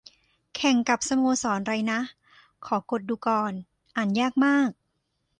แข่งกับสโมสรไรนะ ขอกดดูก่อน อ่านยากมาก